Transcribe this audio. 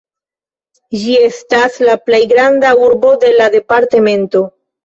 Ĝi estas la plej granda urbo de la departemento.